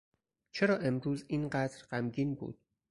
چرا امروز این قدر غمگین بود؟